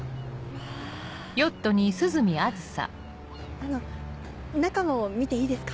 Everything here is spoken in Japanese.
あの中も見ていいですか？